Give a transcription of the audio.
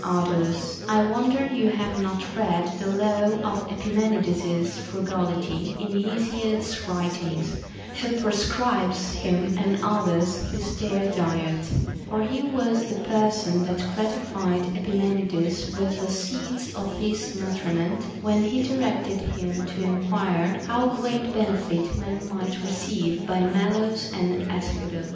27 Ardalus, I wonder you have not read the law of Epi menides's frugality in Hesiod's writings, who prescribes him and others this spare diet ; for he was the person that gratified Epimenides with the seeds of this nutriment, when he directed him to enquire how great benefit a man might receive by mallows and asphodel.